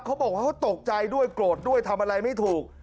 เขาบอกว่าเขาตกใจด้วยโกรธด้วยทำอะไรไม่ถูก